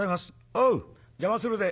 「おう邪魔するぜ」。